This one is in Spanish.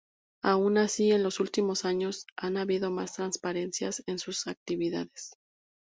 Aun así, en los últimos años, ha habido más transparencia en sus actividades.